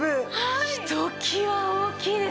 ひときわ大きいですよ！